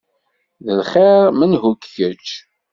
D lxir! Menhu-k kečč?